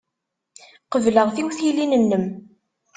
Qebleɣ tiwtilin-nnem.